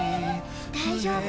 大丈夫。